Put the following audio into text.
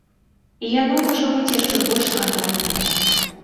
І яно можа быць яшчэ больш скандальнае.